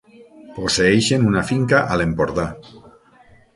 Posseeixen una finca a l'Empordà.